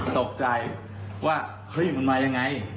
ตกใจว่าเฮ้ยมันมายังไง